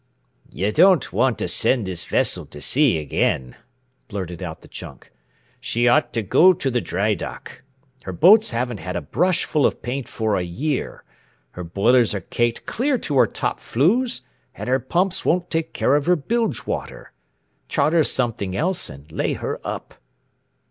"You don't want to send this vessel to sea again," blurted out the chunk. "She ought to go to the dry dock. Her boats haven't had a brushful of paint for a year; her boilers are caked clear to her top flues, and her pumps won't take care of her bilge water. Charter something else and lay her up."